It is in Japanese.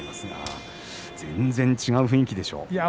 全然、違う雰囲気でしょう？